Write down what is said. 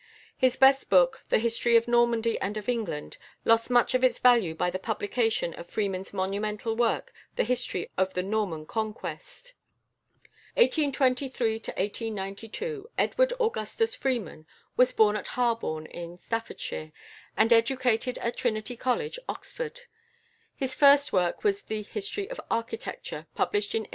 His best book, the "History of Normandy and of England," lost much of its value by the publication of Freeman's monumental work, "The History of the Norman Conquest." =Edward Augustus Freeman (1823 1892)= was born at Harborne, in Staffordshire, and educated at Trinity College, Oxford. His first work was a "History of Architecture," published in 1849.